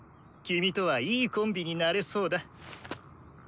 キミとはいいコンビになれそうだ。